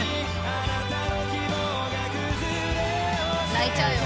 泣いちゃうよ